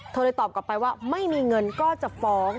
เลยตอบกลับไปว่าไม่มีเงินก็จะฟ้อง